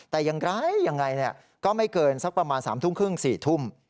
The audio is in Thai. แต่อย่างไรยังไงก็ไม่เกินสักประมาณ๓ทุ่มครึ่ง๔ทุ่ม